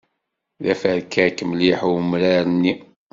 D aferkak mliḥ umrar-nni.